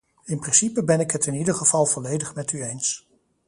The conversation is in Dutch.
In principe ben ik het in ieder geval volledig met u eens.